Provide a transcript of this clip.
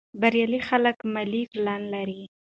بریالي خلک مالي پلان لري.